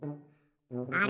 あれ？